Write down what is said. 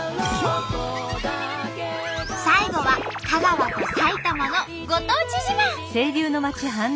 最後は香川と埼玉のご当地自慢！